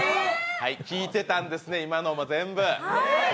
聞いてたんですね、今のも全部。